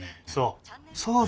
そう！